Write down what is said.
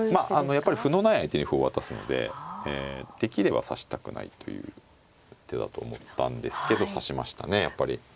やっぱり歩のない相手に歩を渡すのでできれば指したくないという手だと思ったんですけど指しましたねやっぱり。